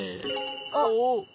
あっ！